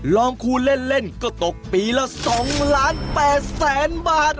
ลองคูณเล่นก็ตกปีละ๒ล้าน๘แสนบาท